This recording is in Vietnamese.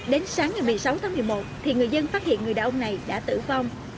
đến sáng ngày một mươi sáu tháng một mươi một thì người dân phát hiện người đàn ông này đã tử vong